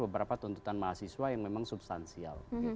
beberapa tuntutan mahasiswa yang memang substansial